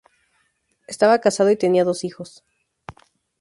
Estaba casado y tenía dos hijos.